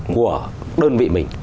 của đơn vị mình